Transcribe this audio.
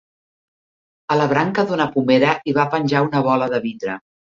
A la branca d'una pomera hi va penjar una bola de vidre